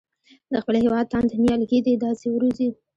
د خپل هېواد تاند نیالګي دې داسې وروزي.